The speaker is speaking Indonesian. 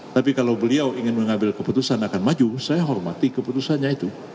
tapi kalau beliau ingin mengambil keputusan akan maju saya hormati keputusannya itu